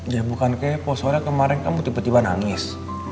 ya bukan kepo sore kemarin kamu tiba tiba nangis